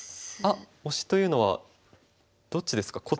あっオシというのはどっちですか？